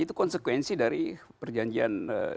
itu konsekuensi dari perjanjian